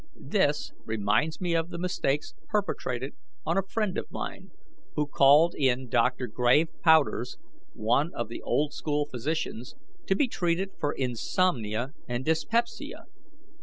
This, reminds me of the mistakes perpetrated on a friend of mine who called in Dr. Grave Powders, one of the old school physicians, to be treated for insomnia and dyspepsia.